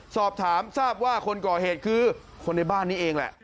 สอบถามทราบว่าคนก่อเหตุคือคนในบ้านนี้เองแหละ